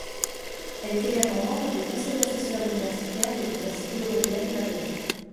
Elle est également membre du Conseil assesseur universitaire de l'Université européenne de Madrid.